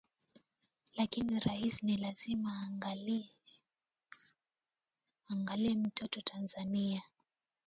lakini rais ni lazima aangalie mtoto tanzania